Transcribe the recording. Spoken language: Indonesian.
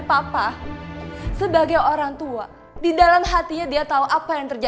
papa tuh pinter ya